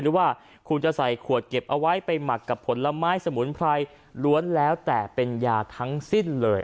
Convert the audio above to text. หรือว่าคุณจะใส่ขวดเก็บเอาไว้ไปหมักกับผลไม้สมุนไพรล้วนแล้วแต่เป็นยาทั้งสิ้นเลย